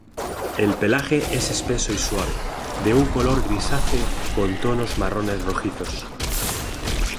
El pelaje es espeso y suave, de un color grisáceo, con tonos marrones-rojizos.